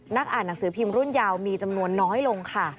อ่านหนังสือพิมพ์รุ่นยาวมีจำนวนน้อยลงค่ะ